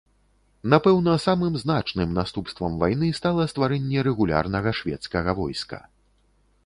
Напэўна, самым значным наступствам вайны стала стварэнне рэгулярнага шведскага войска.